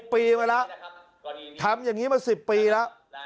ปีมาแล้วทำอย่างนี้มา๑๐ปีแล้ว